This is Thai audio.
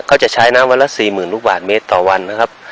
ก็จะใช้น้ำละสี่หมื่นลูกหวานเมตรต่อวันนะครับ